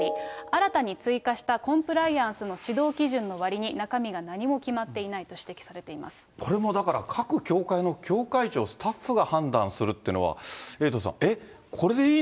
新たに追加したコンプライアンスの指導基準のわりに中身が何も決これもだから各教会の教会長、スタッフが判断するっていうのは、エイトさん、えっ？